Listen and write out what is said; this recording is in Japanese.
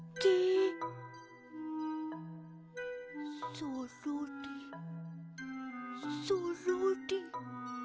そろりそろり。